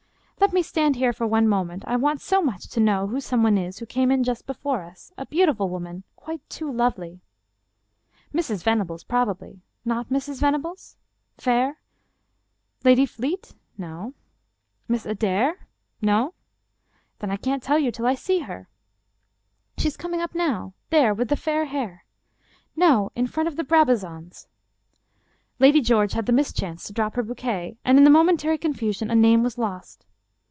" Let me stand here for one moment. I want so much to know who some one is who came in just before us. A beautiful woman. Quite too lovely." "Mrs. Venables probably. Not Mrs. Venables? Fair? Lady Fleet? No? Miss Adair? No? Then I can't tell you till I see her." " She is coming up now. There, with the fair hair. No — in front of the Brabazons." Lady George had the mischance to drop her bouquet, and in the momentary con fusion a name was lost.